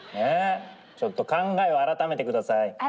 ちょっと考えを改めてください。